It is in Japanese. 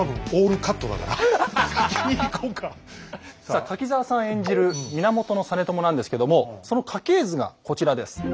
さあ柿澤さん演じる源実朝なんですけどもその家系図がこちらです。